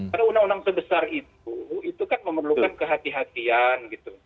karena undang undang sebesar itu itu kan memerlukan kehati hatian gitu